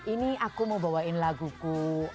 ini aku mau bawain lagu ku